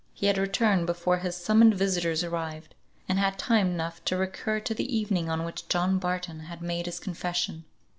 He had returned before his summoned visitors arrived; and had time enough to recur to the evening on which John Barton had made his confession.